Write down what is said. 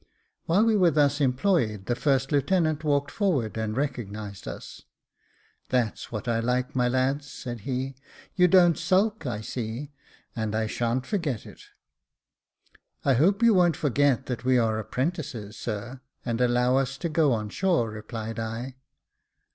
While we were thus employed the first lieutenant walked forward and recognised us. " That's what I like, my lads," said hej "you don't sulk, I see, and I sha'n't forget it." " I hope you wo'n't forget that we are apprentices, sir, and allow us to go on shore," replied I.